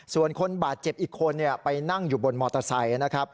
ส่วนคนบาดเจ็บอีกคนไปนั่งอยู่บนมอเตอร์ไซค์นะครับ